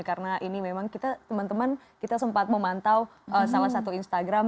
karena ini memang kita teman teman kita sempat memantau salah satu instagram